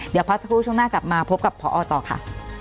เดี๋ยวพักสักครู่ช่วงหน้ากลับมาพบกับพอต่อค่ะ